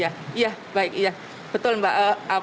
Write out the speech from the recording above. ya ya baik ya betul mbak